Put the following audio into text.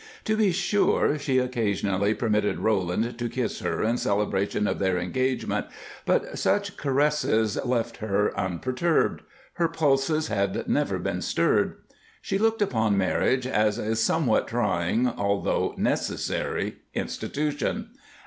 To be sure, she occasionally permitted Roland to kiss her in celebration of their engagement, but such caresses left her unperturbed; her pulses had never been stirred. She looked upon marriage as a somewhat trying, although necessary, institution.